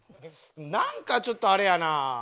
なんかちょっとあれやな。